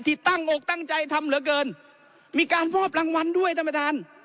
ที่ตั้งอกตั้งใจทำเหลือเกินมีการมอบรางวัลด้วยท่านประธาน